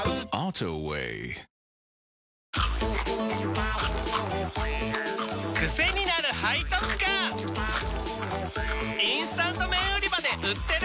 チキンかじり虫インスタント麺売り場で売ってる！